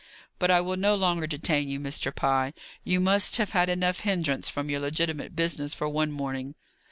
But I will no longer detain you, Mr. Pye. You must have had enough hindrance from your legitimate business for one morning."